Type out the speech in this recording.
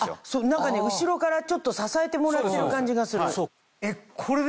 何か後ろからちょっと支えてもらってる感じがする。